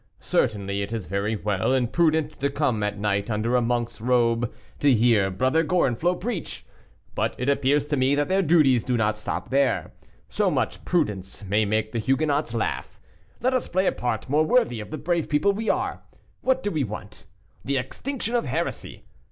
Certainly, it is very well and prudent to come at night under a monk's robe, to hear Brother Gorenflot preach; but it appears to me that their duties do not stop there. So much prudence may make the Huguenots laugh. Let us play a part more worthy of the brave people we are. What do we want? The extinction of heresy.